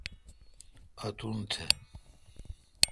اتون تھ۔